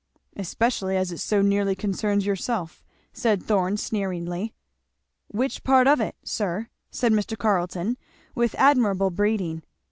"Especially as it so nearly concerns yourself," said Thorn sneeringly. "Which part of it, sir?" said Mr. Carleton with admirable breeding.